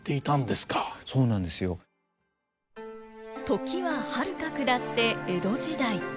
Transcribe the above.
時ははるか下って江戸時代。